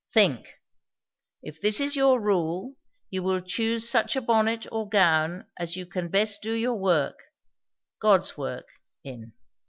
"Think. If this is your rule, you will choose such a bonnet or gown as you can best do your work God's work, in.